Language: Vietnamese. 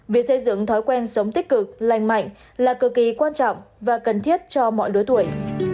việc xây dựng thói quen sống tích cực lành mạnh là cực kỳ quan trọng và cần thiết cho mọi lứa tuổi